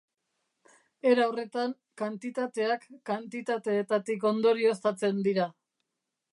Era horretan, kantitateak kantitateetatik ondorioztatzen dira.